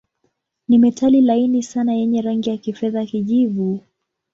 Ni metali laini sana yenye rangi ya kifedha-kijivu.